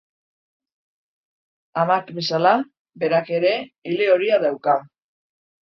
Amak bezala, berak ere ile horia dauka.